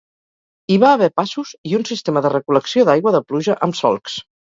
Hi va haver passos i un sistema de recol·lecció d'aigua de pluja amb solcs.